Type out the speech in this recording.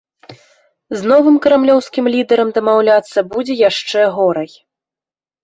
З новым крамлёўскім лідэрам дамаўляцца будзе яшчэ горай.